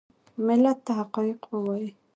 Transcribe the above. ملت ته حقایق ووایي .